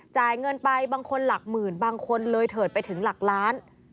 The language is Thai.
จ่ายเงินไปบางคนหลักหมื่นบางคนเลยเถิดไปถึงหลักล้าน